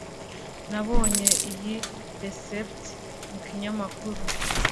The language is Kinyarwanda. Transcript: nabonye iyi resept mu kinyamakuru